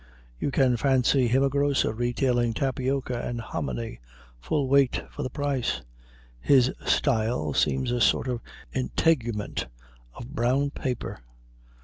You can fancy him a grocer retailing tapioca and hominy full weight for the price; his style seems a sort of integument of brown paper.